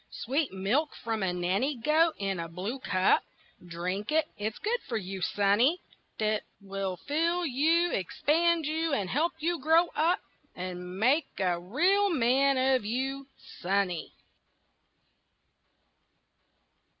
Sweet milk from a nanny goat in a blue cup Drink it, it's good for you, sonny, 'T will fill you, expand you, and help you grow up, And make a real man of you, sonny.